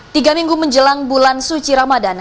tiga minggu menjelang bulan suci ramadan